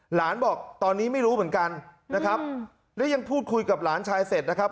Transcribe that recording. หลานบอกตอนนี้ไม่รู้เหมือนกันนะครับและยังพูดคุยกับหลานชายเสร็จนะครับ